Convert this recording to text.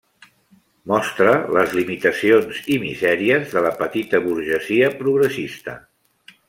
Mostra les limitacions i misèries de la petita burgesia progressista.